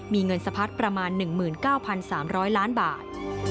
มีเงินสะพัดประมาณ๑๙๓๐๐ล้านบาท